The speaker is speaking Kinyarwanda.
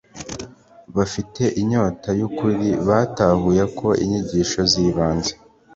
bafite inyota y ukuri batahuye ko inyigisho z ibanze